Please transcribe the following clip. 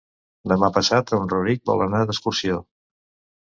Demà passat en Rauric vol anar d'excursió.